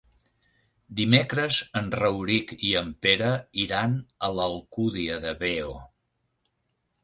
Dimecres en Rauric i en Pere iran a l'Alcúdia de Veo.